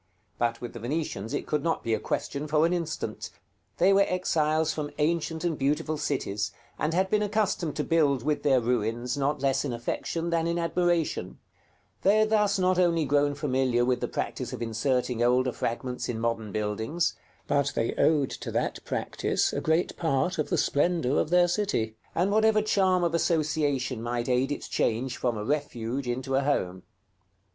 But with the Venetians it could not be a question for an instant; they were exiles from ancient and beautiful cities, and had been accustomed to build with their ruins, not less in affection than in admiration: they had thus not only grown familiar with the practice of inserting older fragments in modern buildings, but they owed to that practice a great part of the splendor of their city, and whatever charm of association might aid its change from a Refuge into a Home.